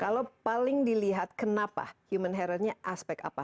kalau paling dilihat kenapa human error nya aspek apa